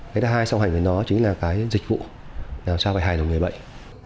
cái thứ hai song hành với nó chính là cái dịch vụ làm sao phải hài lòng người bệnh